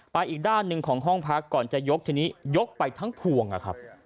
อีกด้านหนึ่งของห้องพักก่อนจะยกทีนี้ยกไปทั้งพวงนะครับ